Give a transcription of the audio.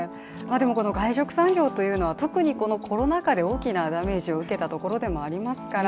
でもこの外食産業というのは特にこのコロナ禍で大きなダメージを受けたところでもありますから